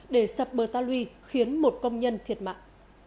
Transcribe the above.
để sập bờ ta lui khiến một công nhân thiệt mạng